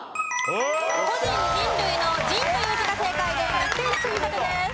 個人人類の「人」という字が正解で２点積み立てです。